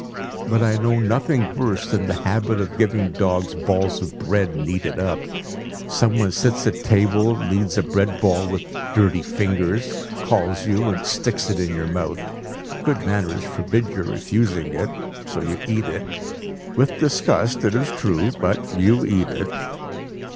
But I know nothing worse than the habit of giving dogs balls of bread kneaded up. Someone sits at table, kneads a bread ball with dirty fingers, calls you and sticks it in your mouth. Good manners forbid your refusing it, and you eat it with disgust it is true, but you eat it."